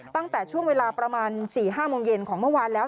ตั้งแต่ช่วงเวลาประมาณ๔๕โมงเย็นของเมื่อวานแล้ว